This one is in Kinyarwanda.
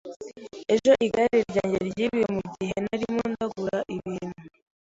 Ejo igare ryanjye ryibwe mugihe narimo ndagura ibintu.